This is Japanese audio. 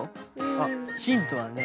あヒントはね